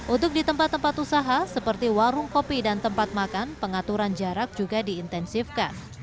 untuk di tempat tempat usaha seperti warung kopi dan tempat makan pengaturan jarak juga diintensifkan